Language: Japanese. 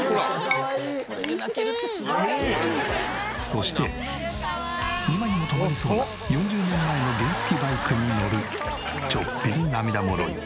そして今にも止まりそうな４０年前の原付きバイクに乗るちょっぴり涙もろい